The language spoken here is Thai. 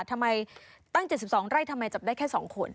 ทำไมตั้ง๗๒ไร่ทำไมจับได้แค่๒คน